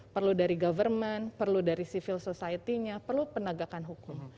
perlu dari government perlu dari civil society nya perlu penegakan hukum